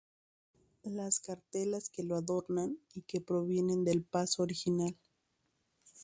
Las cartelas que lo adornan y que provienen del paso original.